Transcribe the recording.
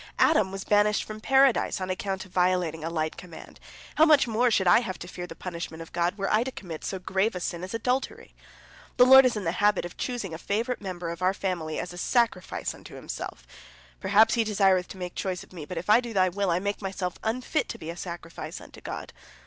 Adam was banished from Paradise on account of violating a light command; how much more should I have to fear the punishment of God, were I to commit so grave a sin as adultery! The Lord is in the habit of choosing a favorite member of our family as a sacrifice unto Himself. Perhaps He desireth to make choice of me, but if I do thy will, I make myself unfit to be a sacrifice unto God.